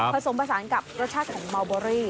ผสมผสานกับรสชาติของเมาเบอรี่